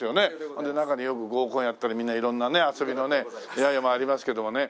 ほんで中でよく合コンやったりみんな色んなね遊びのね出会いもありますけどもね。